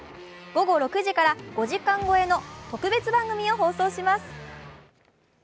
午後６時から５時間超えの特別番組を放送します。